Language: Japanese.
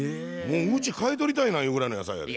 うち買い取りたいなゆうぐらいの野菜やった。